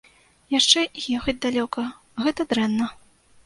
Яшчэ і ехаць далёка, гэта дрэнна.